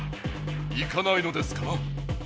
行かないのですかな？